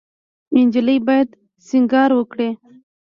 انجلۍ باید سینګار وکړي.